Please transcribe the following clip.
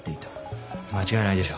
間違いないでしょう。